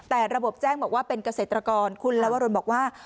แต่ระบบแจ้งบอกว่าเป็นเกษตรกรคุณลวรนบอกว่า